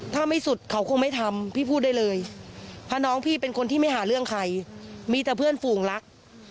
ถ้าไม่สุดเขาคงไม่ทำพี่พูดได้เลยเพราะน้องพี่เป็นคนที่ไม่หาเรื่องใครมีแต่เพื่อนฝูงรัก